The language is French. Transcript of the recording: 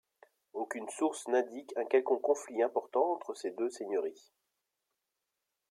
Aucune source n'indique un quelconque conflit important entre ces deux seigneuries.